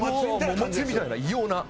お祭りみたいな異様な。